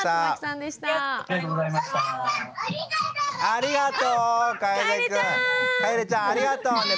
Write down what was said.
ありがとうね。